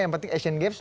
yang penting asian games